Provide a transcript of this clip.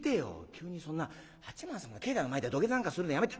急にそんな八幡様の境内の前で土下座なんかするのやめて」。